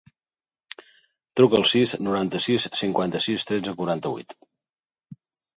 Truca al sis, noranta-sis, cinquanta-sis, tretze, quaranta-vuit.